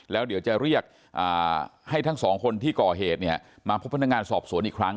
แล้วเดี๋ยวจะเรียกให้ทั้งสองคนที่ก่อเหตุเนี่ยมาพบพนักงานสอบสวนอีกครั้ง